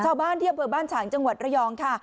ช่องบ้านเที่ยวเบอร์บ้านฉางจังหวัดระยองค่ะ